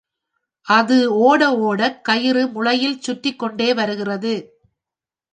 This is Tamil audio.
அது ஓட ஓடக் கயிறு முளையில் சுற்றிக் கொண்டே வருகிறது.